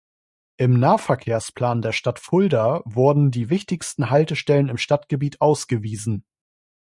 Im Nahverkehrsplan der Stadt Fulda wurden die wichtigsten Haltestellen im Stadtgebiet ausgewiesen.